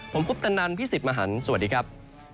ผมคุปตนันพี่สิทธิ์มหันฯสวัสดีครับ